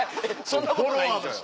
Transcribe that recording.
フォロワーなし。